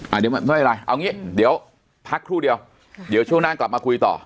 เดี๋ยวไม่เป็นไรเอางี้เดี๋ยวพักครู่เดียวเดี๋ยวช่วงหน้ากลับมาคุยต่อ